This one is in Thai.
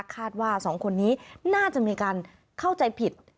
ว่าสองคนนี้น่าจะมีการเข้าใจผิด